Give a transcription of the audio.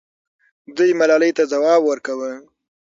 دوی ملالۍ ته ځواب ورکاوه.